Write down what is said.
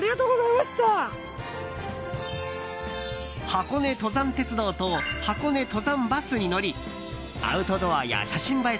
箱根登山鉄道と箱根登山バスに乗りアウトドアや写真映え